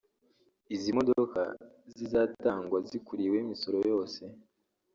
Izi modoka zizatangwa zikuriweho imisoro yose